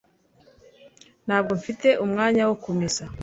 Ntabwo mfite umwanya wo kumesa